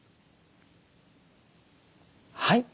はい。